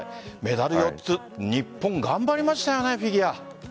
メダル４つ、日本頑張りましたよねフィギュア。